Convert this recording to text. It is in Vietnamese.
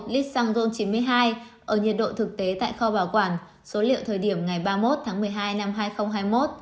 chín trăm bảy mươi sáu một trăm hai mươi một lít xăng ron chín mươi hai ở nhiệt độ thực tế tại kho bảo quản số liệu thời điểm ngày ba mươi một tháng một mươi hai năm hai nghìn hai mươi một